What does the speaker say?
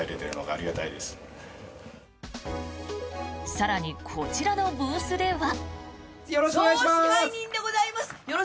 更に、こちらのブースでは。